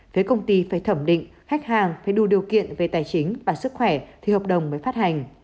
phía công ty phải thẩm định khách hàng phải đủ điều kiện về tài chính và sức khỏe thì hợp đồng mới phát hành